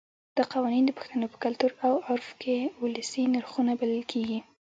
دا قوانین د پښتنو په کلتور او عرف کې ولسي نرخونه بلل کېږي.